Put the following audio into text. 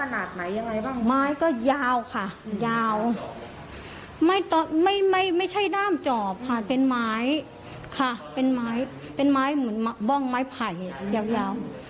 ไม้ขนาดไหนยังไงบ้าง